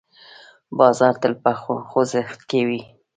بازار تل په خوځښت کې وي.